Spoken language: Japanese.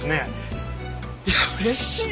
いや嬉しいな！